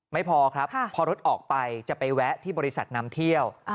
ไม่พอครับพอรถออกไปจะไปแวะที่บริษัทนำเที่ยว